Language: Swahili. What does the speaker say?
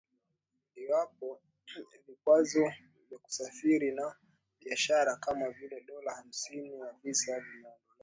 iwapo vikwazo vya kusafiri na biashara kama vile dola hamsini ya visa vimeondolewa